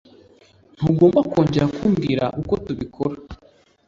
Ntugomba kongera kumbwira uko tubikora.